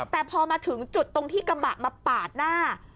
แต่พอมาถึงจุดตรงที่กระบะมาปาดหน้า